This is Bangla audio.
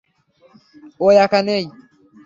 ও একা নেই।